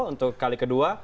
untuk kali kedua